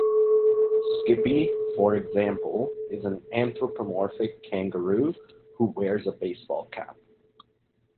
Skippy, for example, is an anthropomorphic kangaroo who wears a baseball cap.